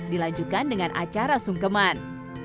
dilanjutkan dengan acara sungkeman